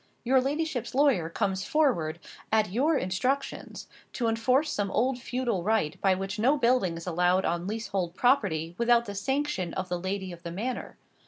Your ladyship's lawyer comes forward, at your instructions, to enforce some old feudal right, by which no building is allowed on leasehold property without the sanction of the lady of the manor.